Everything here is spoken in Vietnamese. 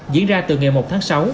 diễn ra từ ngày một tháng sáu